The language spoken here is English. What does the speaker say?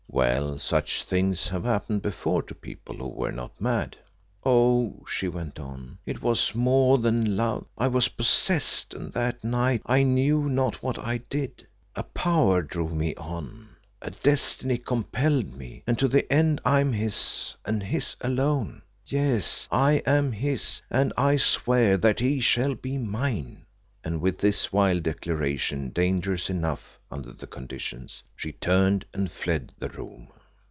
"Well, such things have happened before to people who were not mad." "Oh!" she went on, "it was more than love; I was possessed, and that night I knew not what I did. A Power drove me on; a Destiny compelled me, and to the end I am his, and his alone. Yes, I am his, and I swear that he shall be mine;" and with this wild declaration dangerous enough under the conditions, she turned and fled the room.